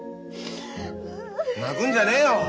泣くんじゃねえよ。